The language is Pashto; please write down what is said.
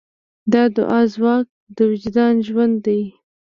د دعا ځواک د وجدان ژوند دی.